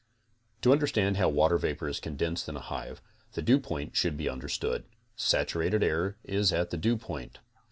To understand how water vapor is condensed 'in a hive, the dewpoint should be understood. Saturated air is at the dewpoint.